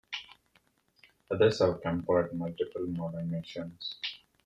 Others have compared multiple modern nations.